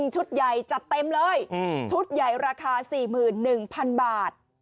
ชุดใหญ่จัดเต็มเลยชุดใหญ่ราคา๔๑๐๐๐บาท